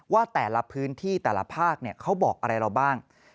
ว่าแต่ละพื้นที่แต่ละภาคเขาบอกอะไรเราบ้าง